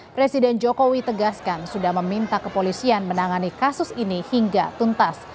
presiden jokowi tegaskan sudah meminta kepolisian menangani kasus ini hingga tuntas